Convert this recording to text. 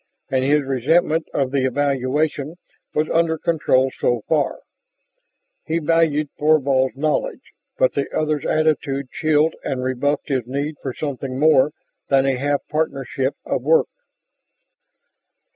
And his resentment of the valuation was under control so far. He valued Thorvald's knowledge, but the other's attitude chilled and rebuffed his need for something more than a half partnership of work.